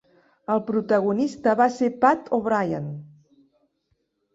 El protagonista va ser Pat O'Brien.